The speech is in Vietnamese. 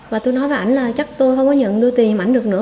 và tôi nói với ảnh là chắc tôi không có nhận đưa tiền mà ảnh được nữa